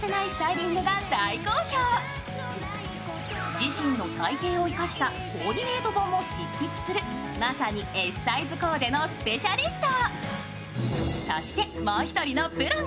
自身の体型を生かしたコーディネート本も執筆するまさにＳサイズコーデのスペシャリスト。